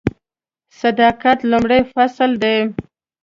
صداقت لومړی فصل دی .